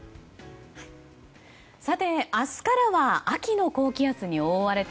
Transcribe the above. さて、明日からは秋の高気圧に覆われて